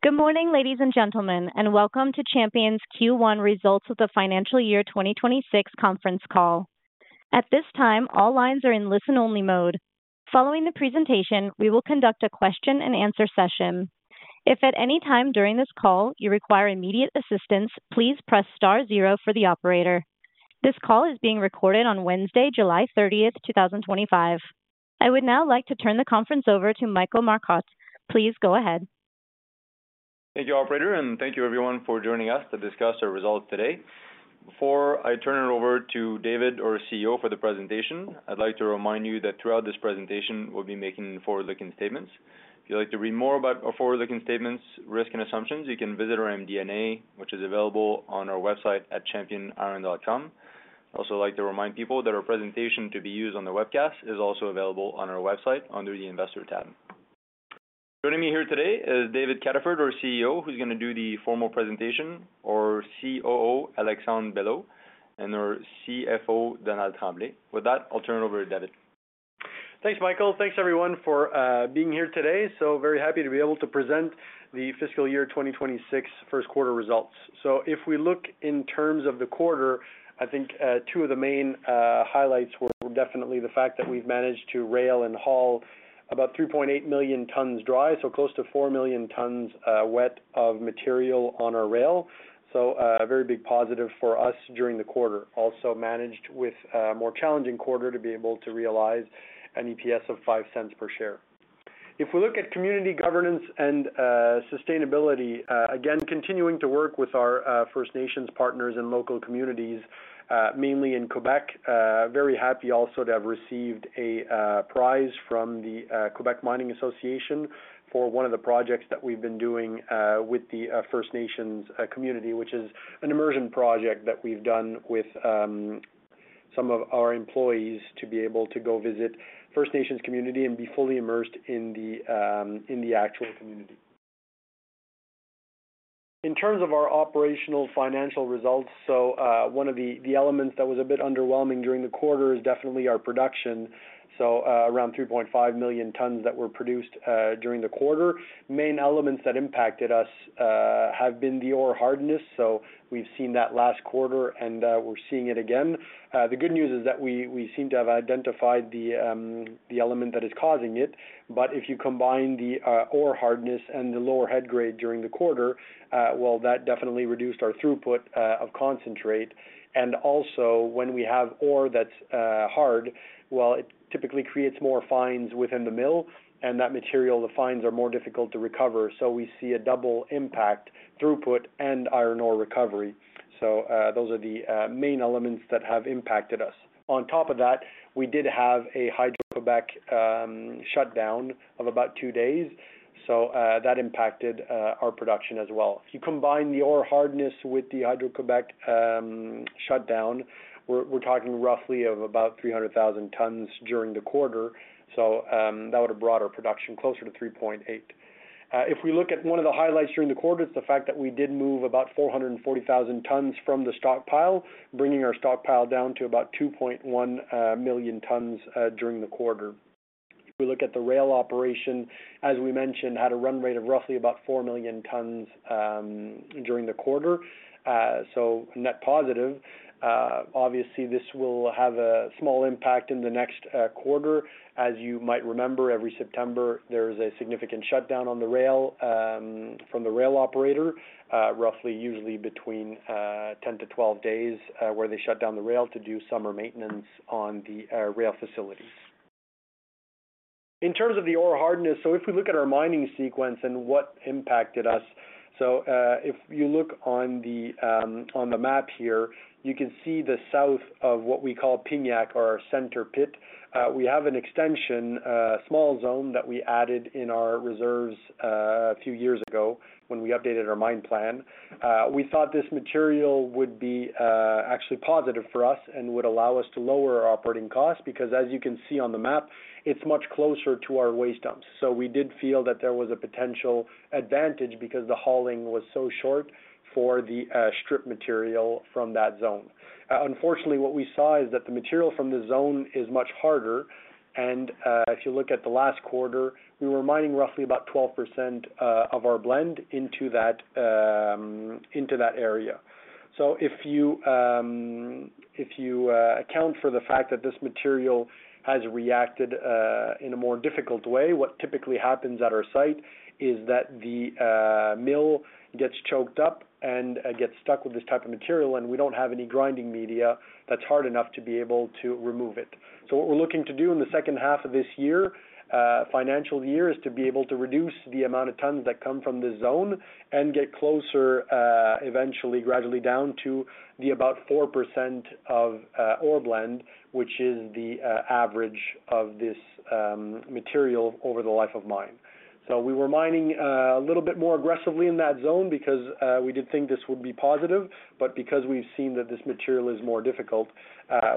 Good morning, ladies and gentlemen, and welcome to Champion's Q1 Results of the Financial Year 2026 Conference Call. At this time, all lines are in listen-only mode. Following the presentation, we will conduct a question-and-answer session. If at any time during this call you require immediate assistance, please press star zero for the operator. This call is being recorded on Wednesday, July 30th, 2025. I would now like to turn the conference over to Michael Marcotte. Please go ahead. Thank you, operator, and thank you everyone for joining us to discuss our results today. Before I turn it over to David, our CEO, for the presentation, I'd like to remind you that throughout this presentation, we'll be making forward-looking statements. If you'd like to read more about our forward-looking statements, risks, and assumptions, you can visit our MD&A, which is available on our website at championiron.com. I'd also like to remind people that our presentation to be used on the webcast is also available on our website under the investor tab. Joining me here today is David Cataford, our CEO, who's going to do the formal presentation, our COO, Alexandre Belleau, and our CFO, Donald Tremblay. With that, I'll turn it over to David. Thanks, Michael. Thanks, everyone, for being here today. Very happy to be able to present the fiscal year 2026 first quarter results. If we look in terms of the quarter, I think two of the main highlights were definitely the fact that we've managed to rail and haul about 3.8 million tons dry, so close to 4 million tons wet of material on our rail. A very big positive for us during the quarter. Also, managed with a more challenging quarter to be able to realize an EPS of $0.05 per share. If we look at community governance and sustainability, again, continuing to work with our First Nations partners and local communities, mainly in Québec. Very happy also to have received a prize from the Québec Mining Association for one of the projects that we've been doing with the First Nations community, which is an immersion project that we've done with some of our employees to be able to go visit First Nations community and be fully immersed in the actual community. In terms of our operational financial results, one of the elements that was a bit underwhelming during the quarter is definitely our production. Around 3.5 million tons that were produced during the quarter. Main elements that impacted us have been the ore hardness. We've seen that last quarter and we're seeing it again. The good news is that we seem to have identified the element that is causing it. If you combine the ore hardness and the lower head grade during the quarter, that definitely reduced our throughput of concentrate. Also, when we have ore that's hard, it typically creates more fines within the mill, and that material, the fines, are more difficult to recover. We see a double impact: throughput and iron ore recovery. Those are the main elements that have impacted us. On top of that, we did have a Hydro-Québec shutdown of about two days. That impacted our production as well. If you combine the ore hardness with the Hydro-Québec shutdown, we're talking roughly about 300,000 tons during the quarter. That would have brought our production closer to 3.8 million tons. If we look at one of the highlights during the quarter, it's the fact that we did move about 440,000 tons from the stockpile, bringing our stockpile down to about 2.1 million tons during the quarter. If we look at the rail operation, as we mentioned, had a run rate of roughly about 4 million tons during the quarter, so net positive. Obviously, this will have a small impact in the next quarter. As you might remember, every September, there's a significant shutdown on the rail from the rail operator, roughly usually between 10 to 12 days where they shut down the rail to do summer maintenance on the rail facilities. In terms of the ore hardness, if we look at our mining sequence and what impacted us, if you look on the map here, you can see the south of what we call Pignac, our center pit. We have an extension, a small zone that we added in our reserves a few years ago when we updated our mine plan. We thought this material would be actually positive for us and would allow us to lower our operating costs because, as you can see on the map, it's much closer to our waste dumps. We did feel that there was a potential advantage because the hauling was so short for the strip material from that zone. Unfortunately, what we saw is that the material from the zone is much harder. If you look at the last quarter, we were mining roughly about 12% of our blend into that area. If you account for the fact that this material has reacted in a more difficult way, what typically happens at our site is that the mill gets choked up and gets stuck with this type of material, and we don't have any grinding media that's hard enough to be able to remove it. What we're looking to do in the second half of this year, financial year, is to be able to reduce the amount of tons that come from the zone and get closer eventually, gradually down to about 4% of ore blend, which is the average of this material over the life of mine. We were mining a little bit more aggressively in that zone because we did think this would be positive, but because we've seen that this material is more difficult,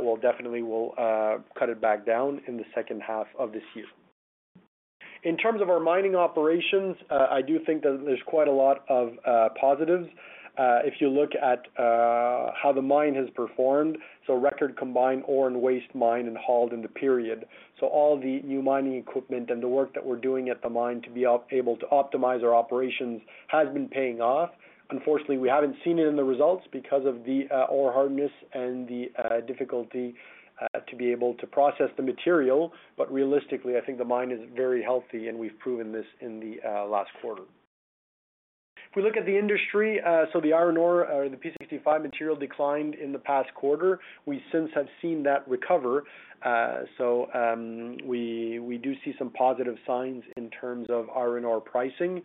we'll definitely cut it back down in the second half of this year. In terms of our mining operations, I do think that there's quite a lot of positives. If you look at how the mine has performed, record combined ore and waste mined and hauled in the period. All the new mining equipment and the work that we're doing at the mine to be able to optimize our operations has been paying off. Unfortunately, we haven't seen it in the results because of the ore hardness and the difficulty to be able to process the material. Realistically, I think the mine is very healthy, and we've proven this in the last quarter. If we look at the industry, for the iron ore, or the P65 material, declined in the past quarter. We since have seen that recover. We do see some positive signs in terms of iron ore pricing.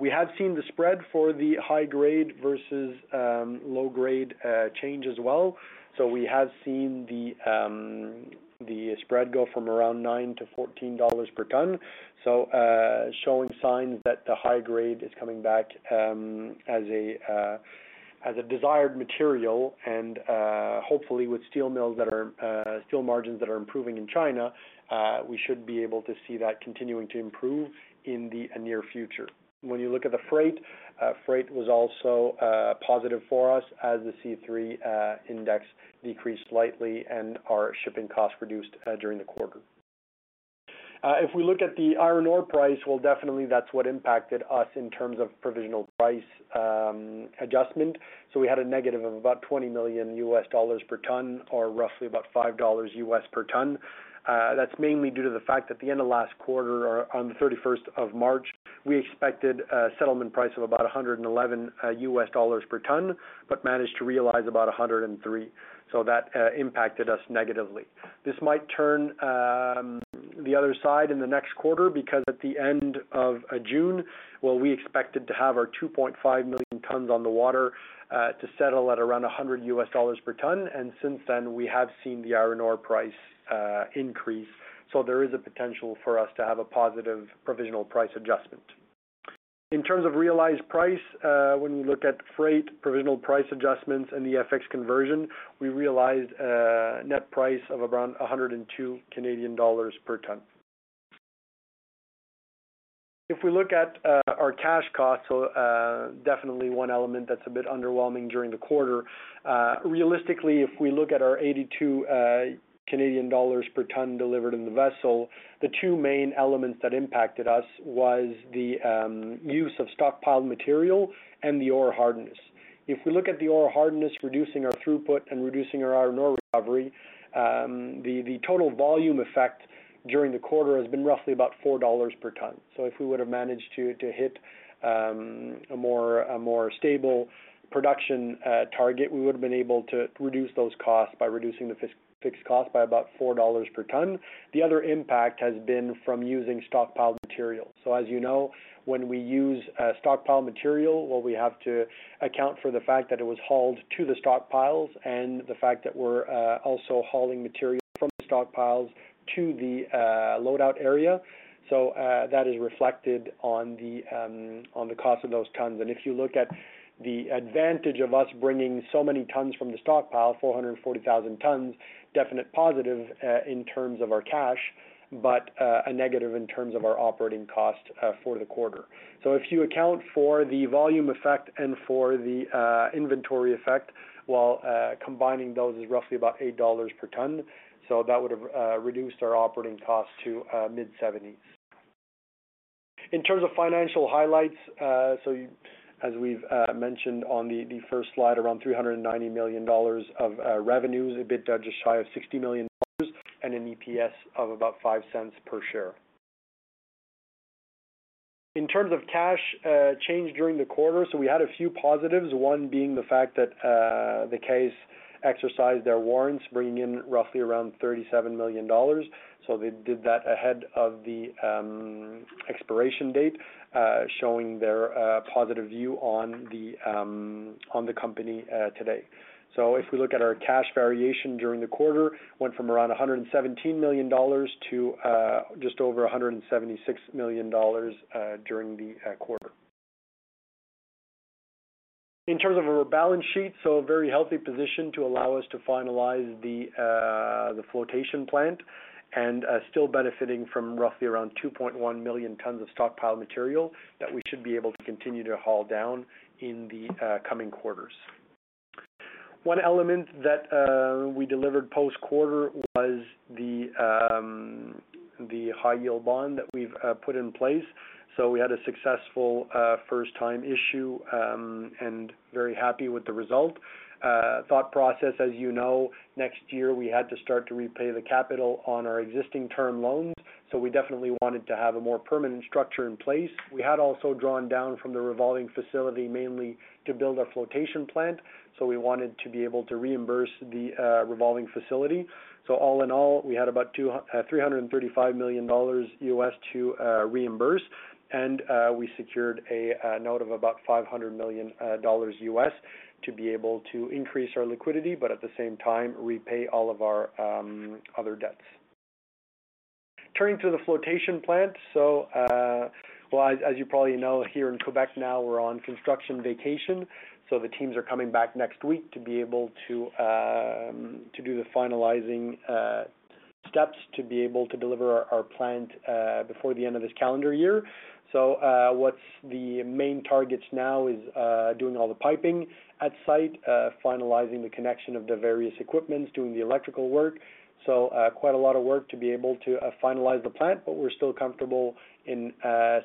We have seen the spread for the high grade versus low grade change as well. We have seen the spread go from around $9-$14 per ton, showing signs that the high grade is coming back as a desired material. Hopefully, with steel mills that are steel margins that are improving in China, we should be able to see that continuing to improve in the near future. When you look at the freight, freight was also positive for us as the C3 Index decreased slightly and our shipping costs reduced during the quarter. If we look at the iron ore price, that's what impacted us in terms of provisional price adjustment. We had a negative of about $20 million per ton, or roughly about $5 per ton. That's mainly due to the fact that at the end of last quarter, on the 31st of March, we expected a settlement price of about $111 per ton, but managed to realize about $103. That impacted us negatively. This might turn the other side in the next quarter because at the end of June, we expected to have our 2.5 million tons on the water to settle at around $100 per ton. Since then, we have seen the iron ore price increase. There is a potential for us to have a positive provisional price adjustment. In terms of realized price, when we look at freight, provisional price adjustments, and the FX conversion, we realized a net price of around 102 Canadian dollars per ton. If we look at our cash costs, one element that's a bit underwhelming during the quarter. Realistically, if we look at our 82 Canadian dollars per ton delivered in the vessel, the two main elements that impacted us were the use of stockpiled material and the ore hardness. If we look at the ore hardness reducing our throughput and reducing our iron ore recovery, the total volume effect during the quarter has been roughly about $4 per ton. If we would have managed to hit a more stable production target, we would have been able to reduce those costs by reducing the fixed cost by about $4 per ton. The other impact has been from using stockpiled material. As you know, when we use stockpiled material, we have to account for the fact that it was hauled to the stockpiles and the fact that we're also hauling material from the stockpiles to the loadout area. That is reflected on the cost of those tons. If you look at the advantage of us bringing so many tons from the stockpile, 440,000 tons, definite positive in terms of our cash, but a negative in terms of our operating cost for the quarter. If you account for the volume effect and for the inventory effect, combining those is roughly about $8 per ton. That would have reduced our operating cost to mid-70s. In terms of financial highlights, as we've mentioned on the first slide, around $390 million of revenues, a bit just shy of $60 million, and an EPS of about $0.05 per share. In terms of cash change during the quarter, we had a few positives, one being the fact that the case exercised their warrants, bringing in roughly around $37 million. They did that ahead of the expiration date, showing their positive view on the company today. If we look at our cash variation during the quarter, it went from around $117 million to just over $176 million during the quarter. In terms of our balance sheet, a very healthy position to allow us to finalize the flotation plant and still benefiting from roughly around 2.1 million tons of stockpiled material that we should be able to continue to haul down in the coming quarters. One element that we delivered post-quarter was the high-yield bond that we've put in place. We had a successful first-time issue and are very happy with the result. The thought process, as you know, next year we had to start to repay the capital on our existing term loans. We definitely wanted to have a more permanent structure in place. We had also drawn down from the revolving facility mainly to build our flotation plant. We wanted to be able to reimburse the revolving facility. All in all, we had about $335 million U.S. to reimburse, and we secured a note of about $500 million U.S. to be able to increase our liquidity, but at the same time repay all of our other debts. Turning to the flotation plant, as you probably know, here in Québec now we're on construction vacation. The teams are coming back next week to be able to do the finalizing steps to be able to deliver our plant before the end of this calendar year. What's the main targets now is doing all the piping at site, finalizing the connection of the various equipments, doing the electrical work. Quite a lot of work to be able to finalize the plant, but we're still comfortable in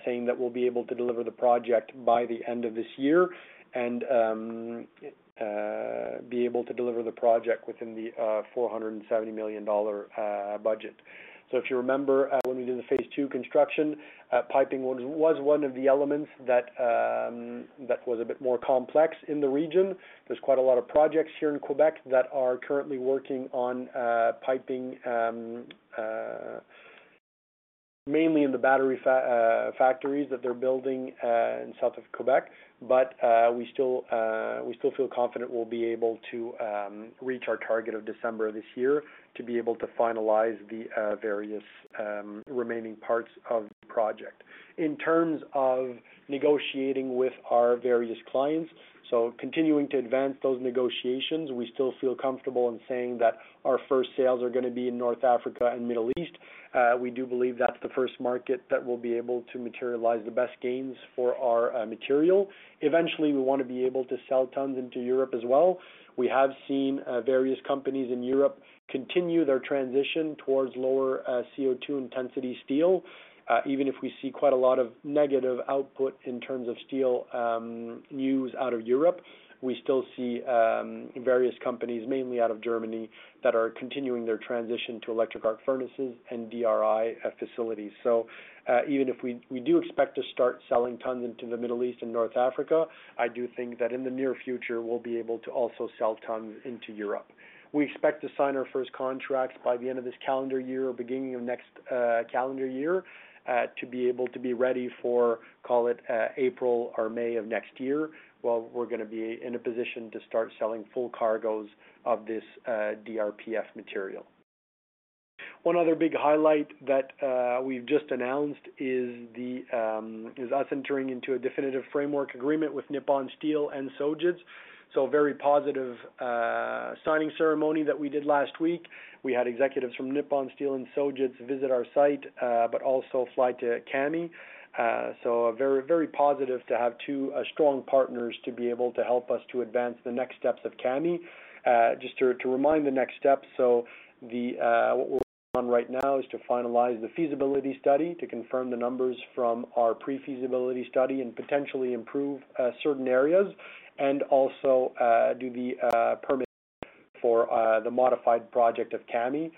saying that we'll be able to deliver the project by the end of this year and be able to deliver the project within the $470 million budget. If you remember when we did the phase II construction, piping was one of the elements that was a bit more complex in the region. There's quite a lot of projects here in Québec that are currently working on piping, mainly in the battery factories that they're building in south of Québec. We still feel confident we'll be able to reach our target of December of this year to be able to finalize the various remaining parts of the project. In terms of negotiating with our various clients, continuing to advance those negotiations, we still feel comfortable in saying that our first sales are going to be in North Africa and Middle East. We do believe that's the first market that we'll be able to materialize the best gains for our material. Eventually, we want to be able to sell tons into Europe as well. We have seen various companies in Europe continue their transition towards lower CO2 intensity steel. Even if we see quite a lot of negative output in terms of steel news out of Europe, we still see various companies, mainly out of Germany, that are continuing their transition to electric arc furnaces and DRI facilities. Even if we do expect to start selling tons into the Middle East and North Africa, I do think that in the near future we'll be able to also sell tons into Europe. We expect to sign our first contracts by the end of this calendar year or beginning of next calendar year to be able to be ready for, call it, April or May of next year. We're going to be in a position to start selling full cargoes of this DRPF material. One other big highlight that we've just announced is us entering into a definitive framework agreement with Nippon Steel and Sojitz. A very positive signing ceremony that we did last week. We had executives from Nippon Steel and Sojitz visit our site, but also fly to Kami. Very, very positive to have two strong partners to be able to help us to advance the next steps of Kami. Just to remind the next steps, what we're on right now is to finalize the feasibility study to confirm the numbers from our pre-feasibility study and potentially improve certain areas and also do the permits for the modified project of Kami.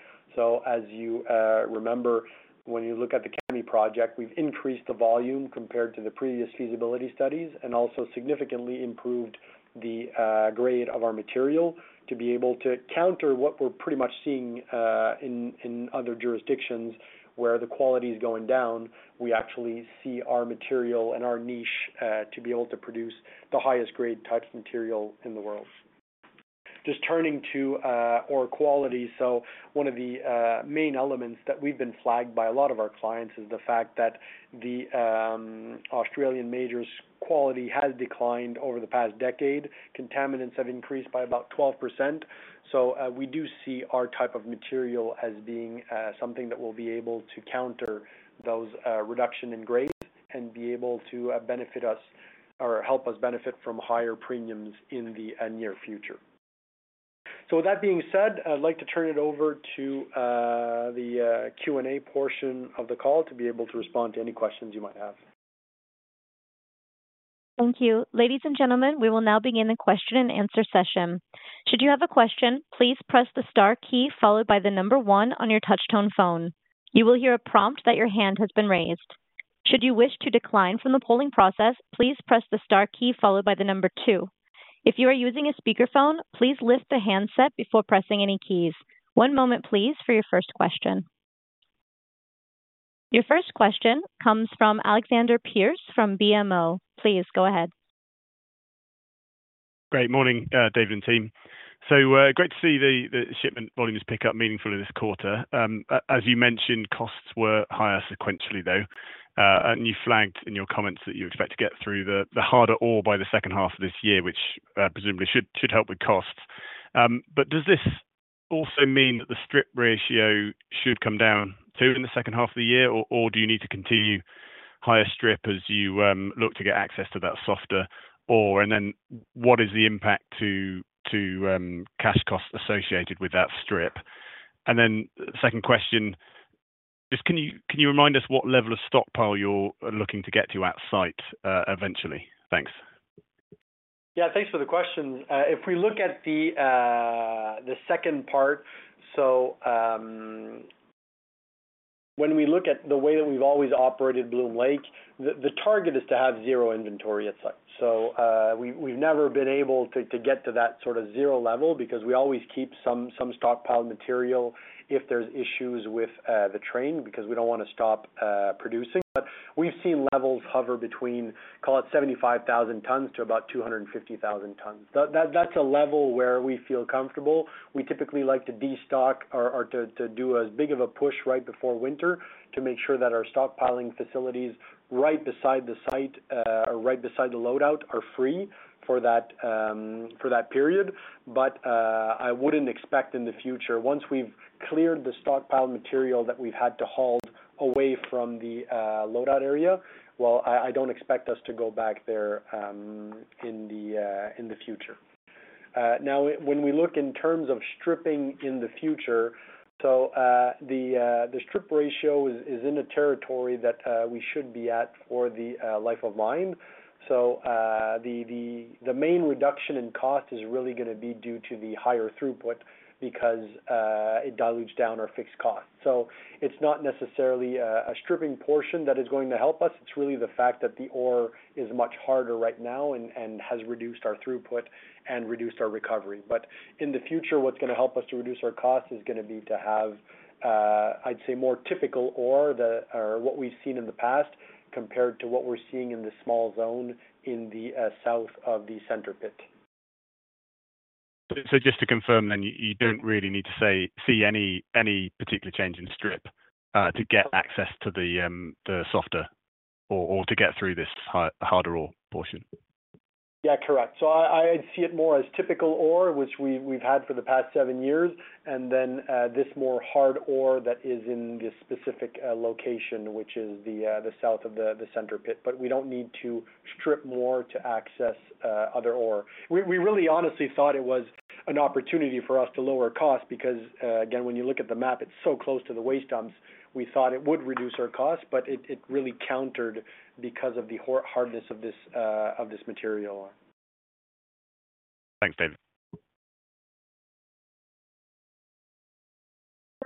As you remember, when you look at the Kami project, we've increased the volume compared to the previous feasibility studies and also significantly improved the grade of our material to be able to counter what we're pretty much seeing in other jurisdictions where the quality is going down. We actually see our material and our niche to be able to produce the highest grade type material in the world. Turning to our quality, one of the main elements that we've been flagged by a lot of our clients is the fact that the Australian major's quality has declined over the past decade. Contaminants have increased by about 12%. We do see our type of material as being something that will be able to counter those reductions in grades and be able to benefit us or help us benefit from higher premiums in the near future. With that being said, I'd like to turn it over to the Q&A portion of the call to be able to respond to any questions you might have. Thank you. Ladies and gentlemen, we will now begin the question-and-answer session. Should you have a question, please press the star key followed by the number one on your touch-tone phone. You will hear a prompt that your hand has been raised. Should you wish to decline from the polling process, please press the star key followed by the number two. If you are using a speaker phone, please lift the handset before pressing any keys. One moment, please, for your first question. Your first question comes from Alexander Pearce from BMO. Please go ahead. Great morning, David and team. Great to see the shipment volumes pick up meaningfully this quarter. As you mentioned, costs were higher sequentially, though. You flagged in your comments that you expect to get through the harder ore by the second half of this year, which presumably should help with costs. Does this also mean that the strip ratio should come down too in the second half of the year, or do you need to continue higher strip as you look to get access to that softer ore? What is the impact to cash costs associated with that strip? The second question, just can you remind us what level of stockpile you're looking to get to at site eventually? Thanks. Yeah, thanks for the question. If we look at the second part, when we look at the way that we've always operated Bloom Lake, the target is to have zero inventory at site. We've never been able to get to that sort of zero level because we always keep some stockpiled material if there's issues with the train because we don't want to stop producing. We've seen levels hover between, call it 75,000 tons to about 250,000 tons. That's a level where we feel comfortable. We typically like to destock or to do as big of a push right before winter to make sure that our stockpiling facilities right beside the site or right beside the loadout are free for that period. I wouldn't expect in the future, once we've cleared the stockpiled material that we've had to haul away from the loadout area, I don't expect us to go back there in the future. When we look in terms of stripping in the future, the strip ratio is in a territory that we should be at for the life of mine. The main reduction in cost is really going to be due to the higher throughput because it dilutes down our fixed cost. It's not necessarily a stripping portion that is going to help us. It's really the fact that the ore is much harder right now and has reduced our throughput and reduced our recovery. In the future, what's going to help us to reduce our costs is going to be to have, I'd say, more typical ore or what we've seen in the past compared to what we're seeing in the small zone in the south of the center pit. Just to confirm then, you don't really need to see any particular change in strip to get access to the softer ore or to get through this harder ore portion. Yeah, correct. I see it more as typical ore, which we've had for the past seven years, and then this more hard ore that is in this specific location, which is the south of the center pit. We don't need to strip more to access other ore. We honestly thought it was an opportunity for us to lower costs because, again, when you look at the map, it's so close to the waste dumps. We thought it would reduce our costs, but it really countered because of the hardness of this material. Thanks, David.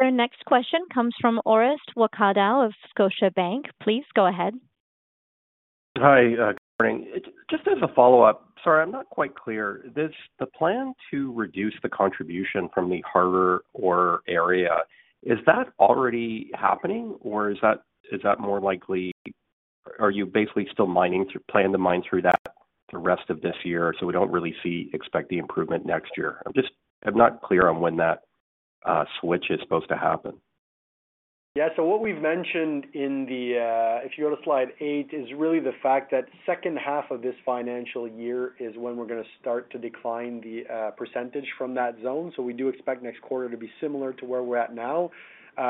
Our next question comes from Orest Wowkodaw of Scotiabank. Please go ahead. Hi, good morning. Just as a follow-up, sorry, I'm not quite clear. The plan to reduce the contribution from the harder ore area, is that already happening or is that more likely, are you basically still planning to mine through that the rest of this year so we don't really expect the improvement next year? I'm just, I'm not clear on when that switch is supposed to happen. Yeah, what we've mentioned in the, if you go to slide eight, is really the fact that the second half of this financial year is when we're going to start to decline the percentage from that zone. We do expect next quarter to be similar to where we're at now.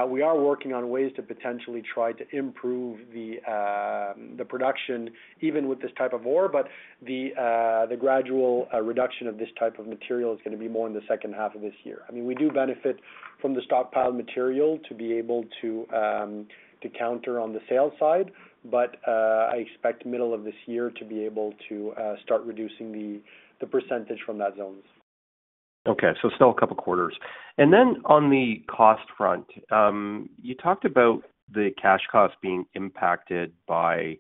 We are working on ways to potentially try to improve the production even with this type of ore, but the gradual reduction of this type of material is going to be more in the second half of this year. We do benefit from the stockpiled material to be able to counter on the sales side, but I expect middle of this year to be able to start reducing the percentage from that zone. Okay, still a couple of quarters. On the cost front, you talked about the cash cost being impacted by,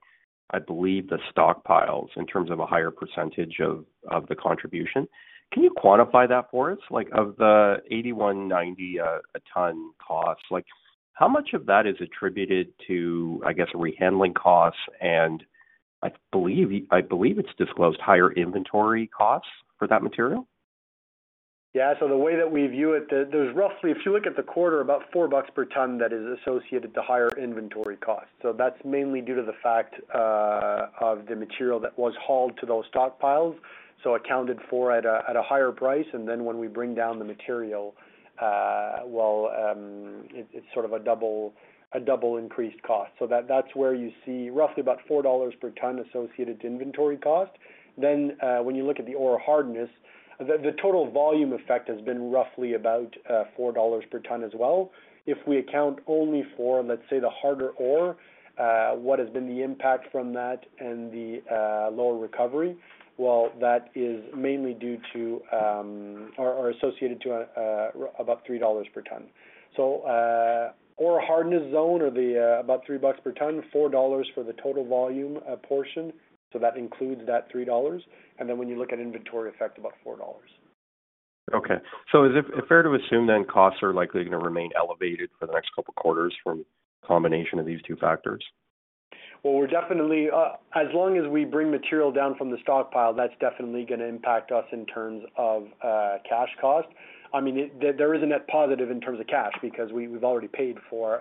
I believe, the stockpiles in terms of a higher pecentage of the contribution. Can you quantify that for us? Like of the $81.90 a ton cost, how much of that is attributed to, I guess, rehandling costs and I believe it's disclosed higher inventory costs for that material? Yeah, so the way that we view it, there's roughly, if you look at the quarter, about $4 per ton that is associated to higher inventory costs. That's mainly due to the fact of the material that was hauled to those stockpiles, accounted for at a higher price, and then when we bring down the material, it's sort of a double increased cost. That's where you see roughly about $4 per ton associated to inventory cost. When you look at the ore hardness, the total volume effect has been roughly about $4 per ton as well. If we account only for, let's say, the harder ore, what has been the impact from that and the lower recovery? That is mainly due to or associated to about $3 per ton. Ore hardness zone or the about $3 per ton, $4 for the total volume portion. That includes that $3. When you look at inventory effect, about $4. Okay, is it fair to assume then costs are likely going to remain elevated for the next couple of quarters from a combination of these two factors? Well, we're definitely, as long as we bring material down from the stockpile, that's definitely going to impact us in terms of cash cost. There is a net positive in terms of cash because we've already paid for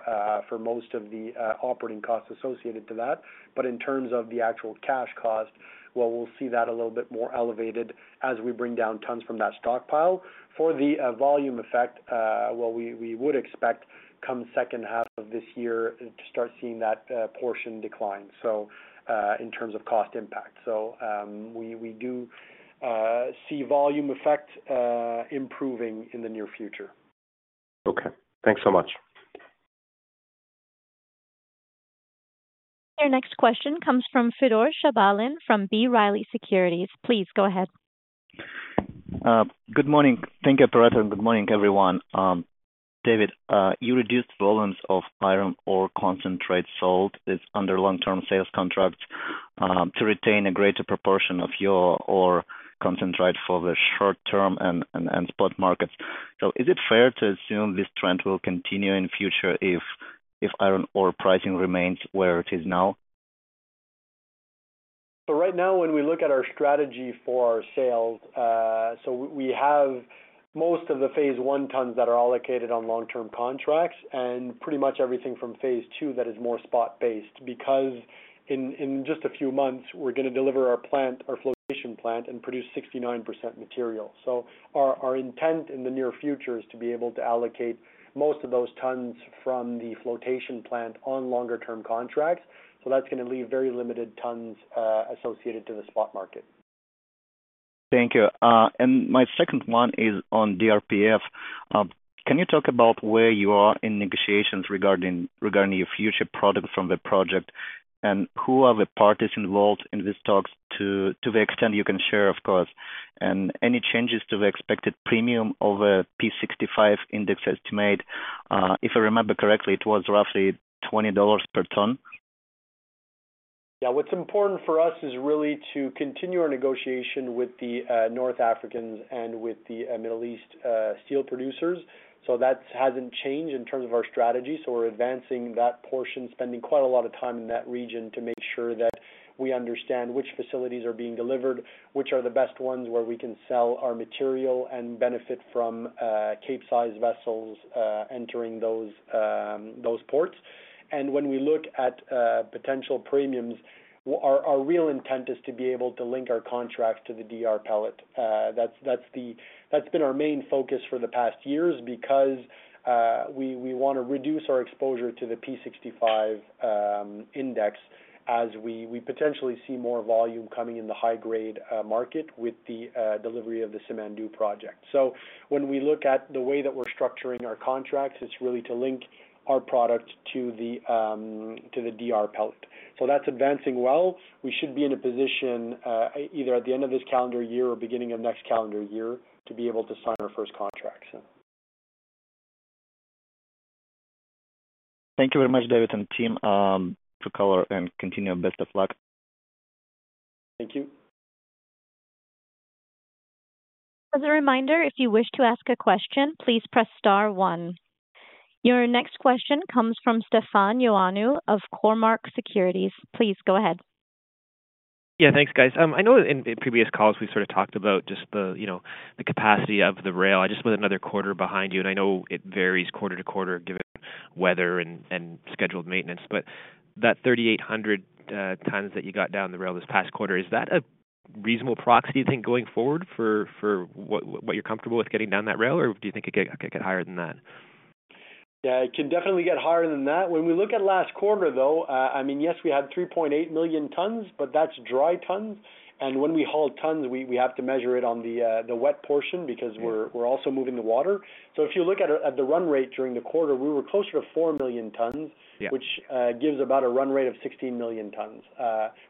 most of the operating costs associated to that. In terms of the actual cash cost, we'll see that a little bit more elevated as we bring down tons from that stockpile. For the volume effect, we would expect come second half of this year to start seeing that portion decline in terms of cost impact. We do see volume effect improving in the near future. Okay, thanks so much. Our next question comes from Fedor Shabalin from B. Riley. Please go ahead. Good morning. Thank you, Theresa. Good morning, everyone. David, you reduced the volumes of iron ore concentrate sold under long-term sales contracts to retain a greater proportion of your iron ore concentrate for the short-term and spot markets. Is it fair to assume this trend will continue in the future if iron ore pricing remains where it is now? Right now, when we look at our strategy for our sales, we have most of the phase I tons that are allocated on long-term contracts, and pretty much everything from phase II is more spot-based because in just a few months, we're going to deliver our flotation plant and produce 69% material. Our intent in the near future is to be able to allocate most of those tons from the flotation plant on longer-term contracts. That's going to leave very limited tons associated to the spot market. Thank you. My second one is on DRPF. Can you talk about where you are in negotiations regarding your future product from the project and who are the parties involved in these talks to the extent you can share, of course, and any changes to the expected premium of a P65 index estimate? If I remember correctly, it was roughly $20 per ton. Yeah, what's important for us is really to continue our negotiation with the North Africans and with the Middle East steel producers. That hasn't changed in terms of our strategy. We're advancing that portion, spending quite a lot of time in that region to make sure that we understand which facilities are being delivered, which are the best ones where we can sell our material and benefit from Capesize vessels entering those ports. When we look at potential premiums, our real intent is to be able to link our contract to the DR pellet. That's been our main focus for the past years because we want to reduce our exposure to the P65 index as we potentially see more volume coming in the high-grade market with the delivery of the Simandou Project. When we look at the way that we're structuring our contracts, it's really to link our product to the DR pellet. That's advancing well. We should be in a position either at the end of this calendar year or beginning of next calendar year to be able to sign our first contracts. Thank you very much, David and team to cover and continue, best of luck. Thank you. As a reminder, if you wish to ask a question, please press star one. Your next question comes from Stefan Ioannou of Cormark Securities. Please go ahead. Yeah, thanks guys. I know in previous calls we sort of talked about just the, you know, the capacity of the rail. I was another quarter behind you and I know it varies quarter to quarter given weather and scheduled maintenance. That 3,800 tons that you got down the rail this past quarter, is that a reasonable proxy you think going forward for what you're comfortable with getting down that rail or do you think it could get higher than that? Yeah, it can definitely get higher than that. When we look at last quarter though, I mean, yes, we had 3.8 million tons, but that's dry tons. When we haul tons, we have to measure it on the wet portion because we're also moving the water. If you look at the run rate during the quarter, we were closer to 4 million tons, which gives about a run rate of 16 million tons.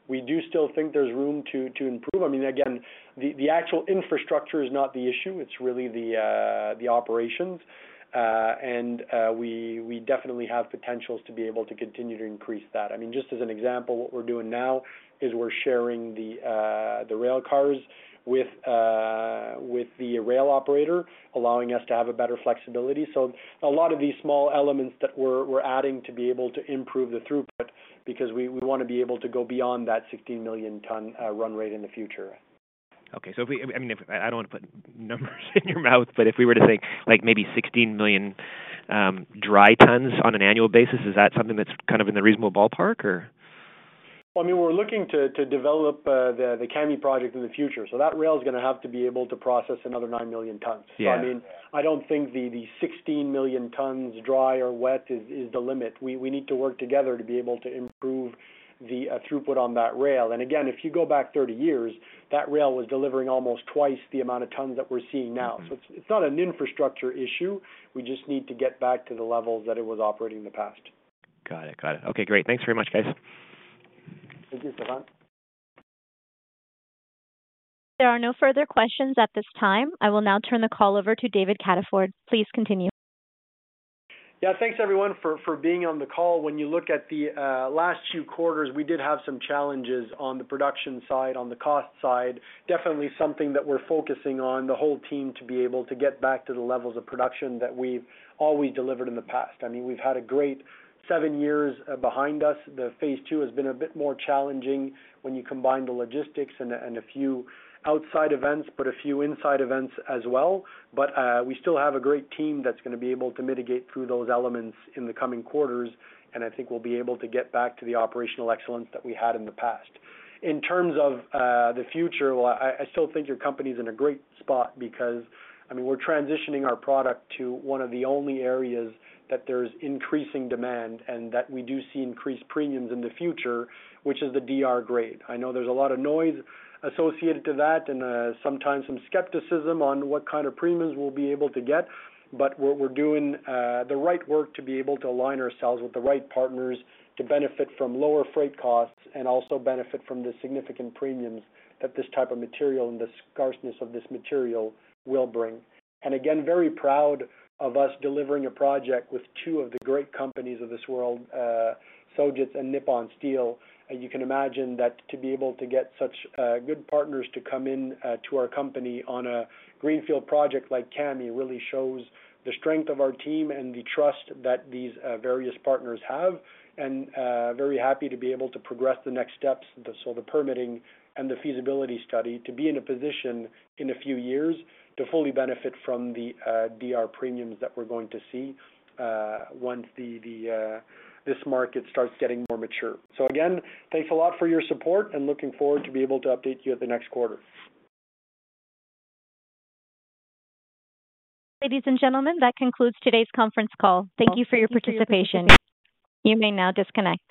We do still think there's room to improve. I mean, again, the actual infrastructure is not the issue. It's really the operations. We definitely have potentials to be able to continue to increase that. Just as an example, what we're doing now is we're sharing the rail cars with the rail operator, allowing us to have better flexibility. A lot of these small elements that we're adding are to be able to improve the throughput because we want to be able to go beyond that 16 million ton run rate in the future. Okay, if we, I mean, I don't want to put numbers in your mouth, but if we were to say like maybe 16 million dry tons on an annual basis, is that something that's kind of in the reasonable ballpark or? Well, I mean, we're looking to develop the Kami project in the future. That rail is going to have to be able to process another 9 million tons. I don't think the 16 million tons dry or wet is the limit. We need to work together to be able to improve the throughput on that rail. If you go back 30 years, that rail was delivering almost twice the amount of tons that we're seeing now. It's not an infrastructure issue. We just need to get back to the level that it was operating in the past. Got it, got it. Okay, great. Thanks very much, guys. Thank you, Stefan. There are no further questions at this time. I will now turn the call over to David Cataford. Please continue. Yeah, thanks everyone for being on the call. When you look at the last few quarters, we did have some challenges on the production side, on the cost side. Definitely something that we're focusing on the whole team to be able to get back to the levels of production that we've always delivered in the past. I mean, we've had a great seven years behind us. The phase II has been a bit more challenging when you combine the logistics and a few outside events, a few inside events as well. We still have a great team that's going to be able to mitigate through those elements in the coming quarters. I think we'll be able to get back to the operational excellence that we had in the past. In terms of the future, I still think your company's in a great spot because, I mean, we're transitioning our product to one of the only areas that there's increasing demand and that we do see increased premiums in the future, which is the DR grade. I know there's a lot of noise associated to that and sometimes some skepticism on what kind of premiums we'll be able to get. We're doing the right work to be able to align ourselves with the right partners to benefit from lower freight costs and also benefit from the significant premiums that this type of material and the scarceness of this material will bring. Again, very proud of us delivering a project with two of the great companies of this world, Sojitz and Nippon Steel. You can imagine that to be able to get such good partners to come into our company on a greenfield project like the Kami project really shows the strength of our team and the trust that these various partners have. Very happy to be able to progress the next steps, the permitting and the feasibility study, to be in a position in a few years to fully benefit from the DR premiums that we're going to see once this market starts getting more mature. Again, thanks a lot for your support and looking forward to be able to update you at the next quarter. Ladies and gentlemen, that concludes today's conference call. Thank you for your participation. You may now disconnect.